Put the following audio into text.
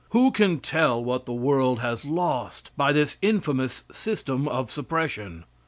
Who can tell what the world has lost by this infamous system of suppression?